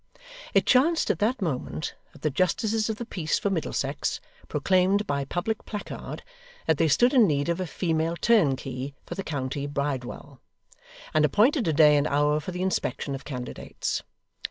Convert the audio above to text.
It chanced at that moment, that the justices of the peace for Middlesex proclaimed by public placard that they stood in need of a female turnkey for the County Bridewell, and appointed a day and hour for the inspection of candidates.